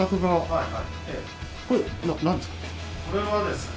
これはですね